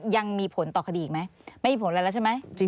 ยังมีผลต่อคดีอีกไหมไม่มีผลอะไรแล้วใช่ไหม